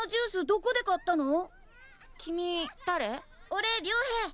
どこで買ったの？